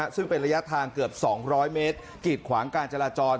ซึ่งเป็นระยะทางเกือบ๒๐๐เมตรกีดขวางการจราจร